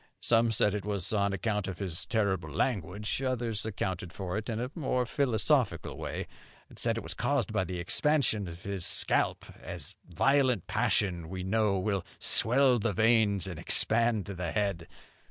Some said it was on account of his terrible language; others accounted for it in a more philosophical way, and said it was caused by the expansion of his scalp, as violent passion, we know, will swell the veins and expand the head.